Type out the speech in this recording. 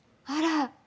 あら。